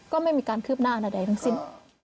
ก็ไม่มีการคืบหน้าใดทั้งสิ้น